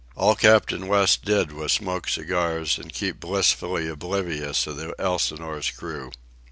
All Captain West did was to smoke cigars and keep blissfully oblivious of the Elsinore's crew.